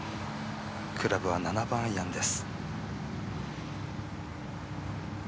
クラブは７番アイアンです。